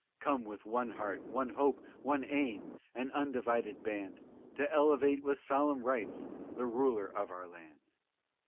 Come, with one heart, one hope, one aim, An undivided band, To elevate, with solemn rites, The ruler of our land!